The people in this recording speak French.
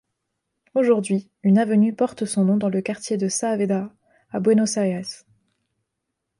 Aujourd'hui, une avenue porte son nom dans le quartier de Saavedra à Buenos Aires.